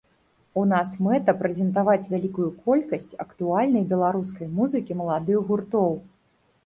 У нас мэта прэзентаваць вялікую колькасць актуальнай беларускай музыкі маладых гуртоў.